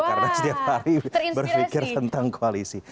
karena setiap hari berpikir tentang koalisi